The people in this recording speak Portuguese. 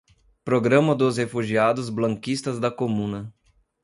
Programa dos Refugiados Blanquistas da Comuna